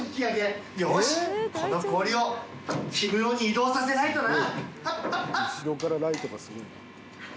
淵▲蕁よしこの氷を氷室に移動させないとな。